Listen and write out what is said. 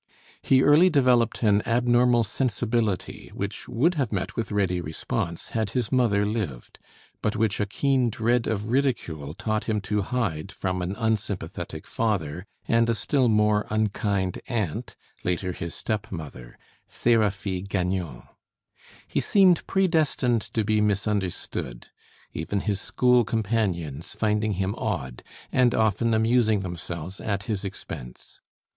He early developed an abnormal sensibility, which would have met with ready response had his mother lived, but which a keen dread of ridicule taught him to hide from an unsympathetic father and a still more unkind aunt, later his step mother, Séraphie Gagnon. He seemed predestined to be misunderstood even his school companions finding him odd, and often amusing themselves at his expense.